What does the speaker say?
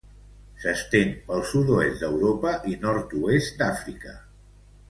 S'estén pel sud-oest d'Europa i nord-oest d'Àfrica.